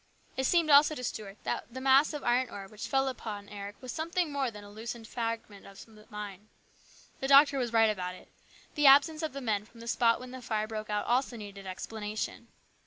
It seemed also to Stuart that the mass of iron ore which fell upon Eric 80 HIS BROTHER'S KEEPER. was something more than a loosened fragment of the mine. The doctor was right about it. The absence of the men from the spot when the fire broke out also needed explanation.